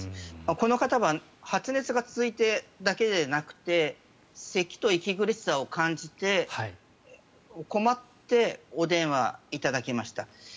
この方は発熱が続いただけではなくてせきと息苦しさを感じて困ってお電話いただきました。